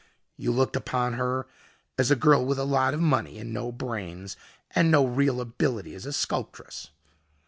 You looked upon her as a girl with a lot of money and no brains and no real ability as a sculptress.